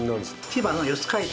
千葉の四街道。